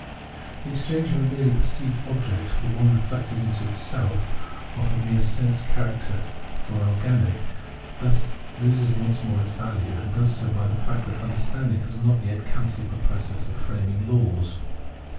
The exchange of a merely perceived object for one re flected into itself, of a mere sense character for an organic, thus loses once more its value, and does so by the fact that understanding has not yet cancelled the process of framing laws.